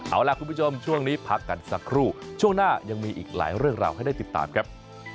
เอาล่ะคุณผู้ชมช่วงนี้พักกันสักครู่ช่วงหน้ายังมีอีกหลายเรื่องราวให้ได้ติดตามครับ